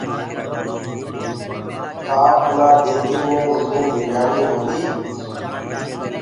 ڪآ آنآ ديگي مي رگو بريآني هوندي